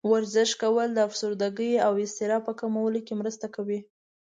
ورزش کول د افسردګۍ او اضطراب په کمولو کې مرسته کوي.